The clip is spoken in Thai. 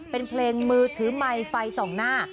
เป็นเพลงมือถือไมค์ไฟส่องหน้า